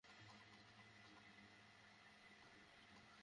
ফুটবলের আবিষ্কারকের দাবিদার ইংলিশদের সেটাই এখন পর্যন্ত একমাত্র শিরোপা হয়ে আছে।